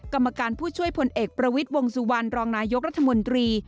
กรรมการผู้ช่วยพลเอกประวิทย์วงสุวรรณรองนายกรัฐมนตรี